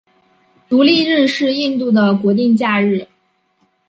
独立日是印度的国定假日。